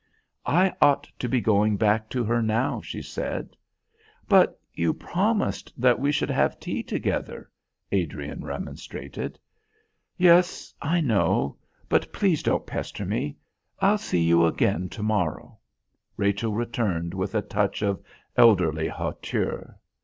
"I ought to be going back to her now," she said. "But you promised that we should have tea together," Adrian remonstrated. "Yes, I know; but please don't pester me. I'll see you again to morrow," Rachel returned with a touch of elderly hauteur.